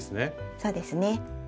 そうですね。